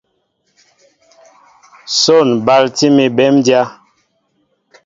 Son balti mi béndya.